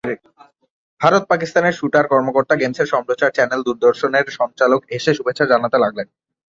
ভারত-পাকিস্তানের shooter, কর্মকর্তা, গেমসের সম্প্রচার চ্যানেল দূরদর্শনের সঞ্চালক এসে শুভেচ্ছা জানাতে লাগলেন।